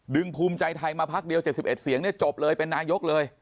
ภูมิใจไทยมาพักเดียว๗๑เสียงเนี่ยจบเลยเป็นนายกเลย